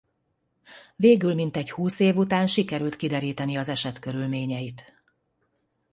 Végül mintegy húsz év után sikerült kideríteni az eset körülményeit.